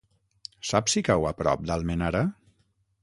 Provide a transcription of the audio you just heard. Saps si cau a prop d'Almenara?